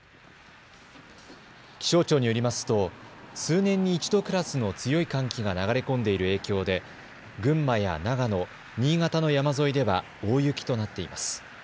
気象庁によりますと数年に一度クラスの強い寒気が流れ込んでいる影響で群馬や長野、新潟の山沿いでは大雪となっています。